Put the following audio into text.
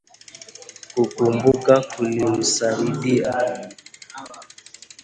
Kukumbuka kulimsaidia